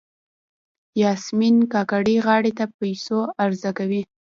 یاسمین کاکړۍ غاړې په پیسو عرضه کوي.